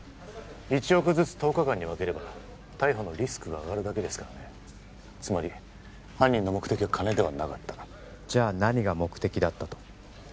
１億ずつ１０日間に分ければ逮捕のリスクが上がるだけですからねつまり犯人の目的は金ではなかったじゃあ何が目的だったと？